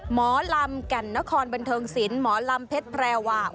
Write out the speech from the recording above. หมอลำแก่นนครบันเทิงศิลป์หมอลำเพชรแพรวา